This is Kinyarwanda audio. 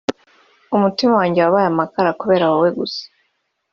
umutima wanjye wabaye amakara kubera wowe gusa